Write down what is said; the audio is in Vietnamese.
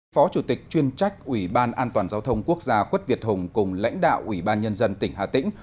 phó chủ tịch chuyên trách ủy ban an toàn giao thông quốc gia quất việt hùng cùng lãnh đạo ủy ban nhân dân tỉnh hà tĩnh